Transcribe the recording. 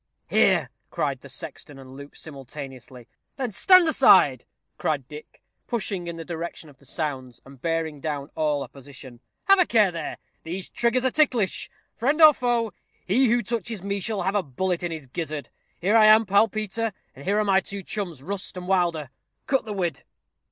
"Here," cried the sexton and Luke simultaneously. "Then stand aside," cried Dick, pushing in the direction of the sounds, and bearing down all opposition. "Have a care there these triggers are ticklish. Friend or foe, he who touches me shall have a bullet in his gizzard. Here I am, pal Peter; and here are my two chums, Rust and Wilder. Cut the whid."